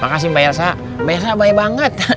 makasih mbak yelza mbak yelza baik banget